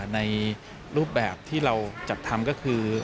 ในรูปแบบที่เราจัดทำก็คือ